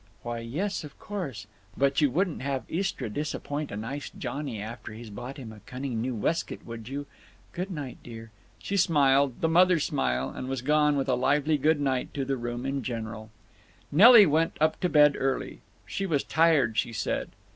"Why, yes, of course. But you wouldn't have Istra disappoint a nice Johnny after he's bought him a cunnin' new weskit, would you?… Good night, dear." She smiled—the mother smile—and was gone with a lively good night to the room in general. Nelly went up to bed early. She was tired, she said.